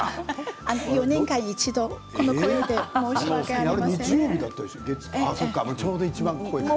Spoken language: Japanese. ４年に一度この声で申し訳ございません。